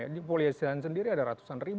di polisian sendiri ada ratusan ribu